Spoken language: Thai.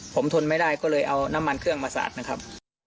ผมทนไม่ได้ก็เลยเอาน้ำมันเครื่องมาสาดนะครับ